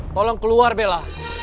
tolong keluar bella